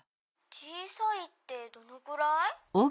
「小さいってどのくらい？」。